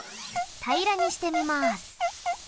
たいらにしてみます。